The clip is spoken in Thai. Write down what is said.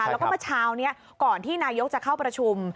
แล้วก็เมื่อเช้านี้ก่อนที่นายกจะเข้าประชุม